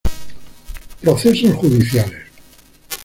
Procesos judiciales.